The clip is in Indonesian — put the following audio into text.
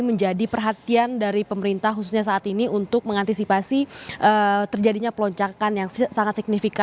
menjadi perhatian dari pemerintah khususnya saat ini untuk mengantisipasi terjadinya peloncakan yang sangat signifikan